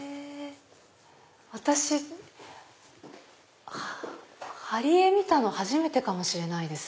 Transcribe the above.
私貼り絵見たの初めてかもしれないです。